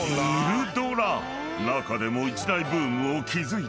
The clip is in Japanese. ［中でも一大ブームを築いたのが］